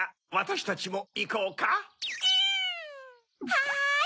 はい！